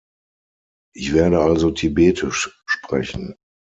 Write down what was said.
Ich werde also tibetisch sprechen.